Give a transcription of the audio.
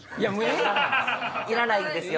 いらないんですよ。